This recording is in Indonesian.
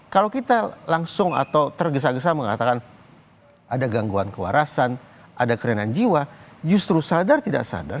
kalau kita langsung atau tergesa gesa mengatakan ada gangguan kewarasan ada kerenan jiwa justru sadar tidak sadar